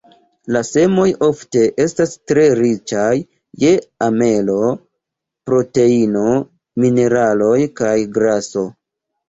La semoj ofte estas tre riĉaj je amelo, proteino, mineraloj kaj graso.